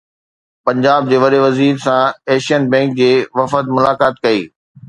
پنجاب جي وڏي وزير سان ايشين بئنڪ جي وفد ملاقات ڪئي